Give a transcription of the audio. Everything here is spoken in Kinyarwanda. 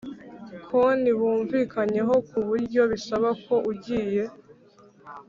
Konti bumvikanyeho ku buryo bisaba ko ugiye